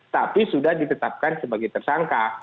tapi sudah ditetapkan sebagai tersangka